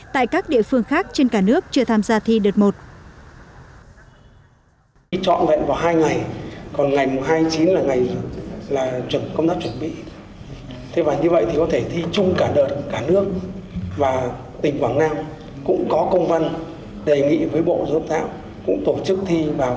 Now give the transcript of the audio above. tại các địa phương khác trên cả nước chưa tham gia thi đợt một